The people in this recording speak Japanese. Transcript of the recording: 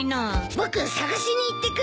僕捜しに行ってくる！